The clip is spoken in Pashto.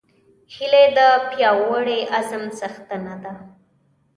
هیلۍ د پیاوړي عزم څښتنه ده